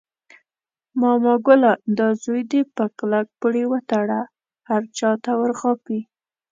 ماما ګله دا زوی دې په کلک پړي وتړله، هر چاته ور غاپي.